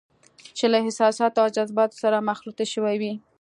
چې له احساساتو او جذباتو سره مخلوطې شوې وي.